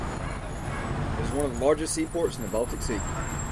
It is one of the largest seaports on the Baltic Sea.